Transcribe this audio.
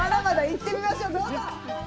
行ってみましょう、どうぞ！